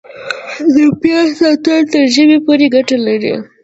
د پیاز ساتل تر ژمي پورې ګټه لري؟